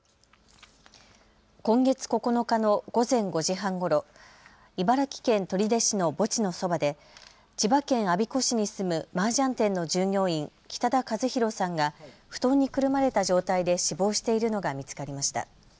今月９日の午前５時半ごろ、茨城県取手市の墓地のそばで千葉県我孫子市に住むマージャン店の従業員、北田和彦さんが布団にくるまれた状態で死亡しているのが見つかりました。